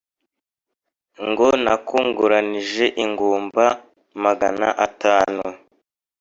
Ngo nakunguranije ingumba magana atanu